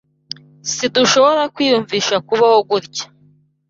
Sidushobora kwiyumvisha kubaho gutya.